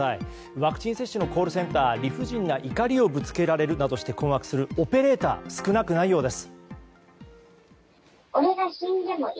ワクチン接種のコールセンター理不尽な怒りをぶつけられるなどで困惑するオペレーターが少なくないようです。